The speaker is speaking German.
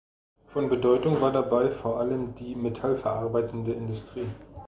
Von Bedeutung war dabei vor allem die metallverarbeitende Industrie.